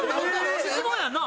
質問やんな？